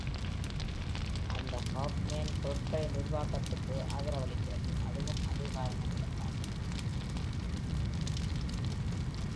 அது ஹாஃப்மேன் பொருட்களின் உருவாக்கத்துக்கு ஆதரவளிக்கிறது, அதுவும் அதே காரணங்களுக்காக.